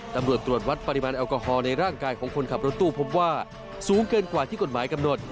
ตำรวจตรวจวัดปริมาณแอลกอฮอลในร่างกายของคนขับรถตู้พบว่าสูงเกินกว่าที่กฎหมายกำหนด